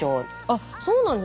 あっそうなんだ。